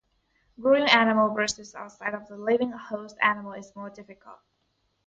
Growing animal viruses outside of the living host animal is more difficult.